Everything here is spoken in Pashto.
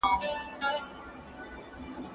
د ژوند په لومړیو پړاونو کې خندا مهمه ده.